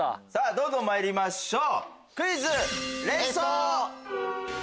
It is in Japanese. どんどん参りましょう！